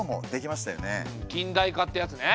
近代化ってやつね。